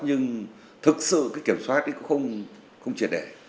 nhưng thực sự kiểm soát không triệt đẻ